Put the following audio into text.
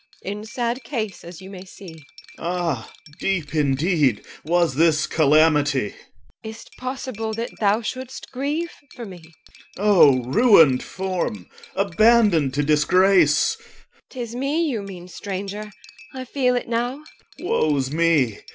In sad case, as you may see OR. Ah! deep indeed was this calamity! EL. Is't possible that thou shouldst grieve for me? OR. O ruined form! abandoned to disgrace! EL. 'Tis me you mean, stranger, I feel it now. OR. Woe 's me!